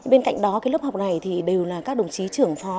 bên cạnh đó cái lớp học này thì đều là các đồng chí trưởng phó